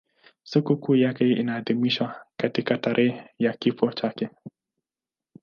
Sikukuu yake inaadhimishwa katika tarehe ya kifo chake.